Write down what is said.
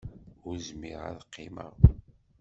Ur zmireɣ ad qqimeɣ.